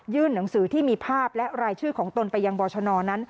หนังสือที่มีภาพและรายชื่อของตนไปยังบอชนนั้น